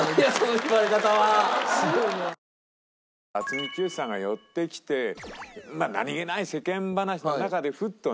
渥美清さんが寄ってきてまあ何げない世間話の中でフッとね。